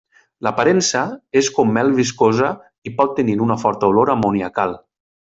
L'aparença és com mel viscosa i pot tenir una forta olor amoniacal.